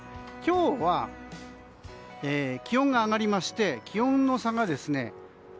今日は気温が上がりまして気温の差が１０度。